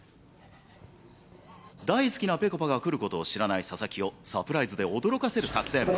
大好きなぺこぱが来ることを知らない佐々木をサプライズで驚かせる作戦。